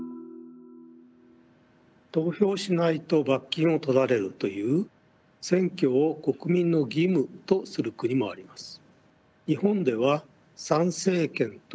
投票しないと罰金を取られるという選挙を国民の義務とする国もあります。